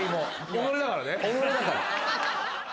己だから。